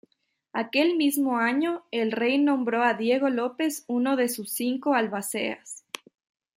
Aquel mismo año, el rey nombró a Diego López uno de sus cinco albaceas.